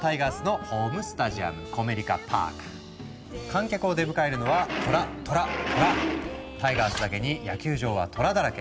お次は観客を出迎えるのはタイガースだけに野球場は虎だらけ。